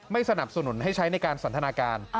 สนับสนุนให้ใช้ในการสันทนาการ